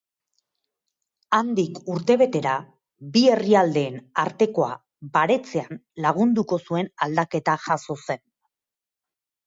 Handik urtebetera, bi herrialdeen artekoa baretzean lagunduko zuen aldaketa jazo zen.